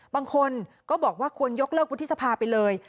บางคนก็บอกว่าควรยกเลิกวุฒิสภาไปเลย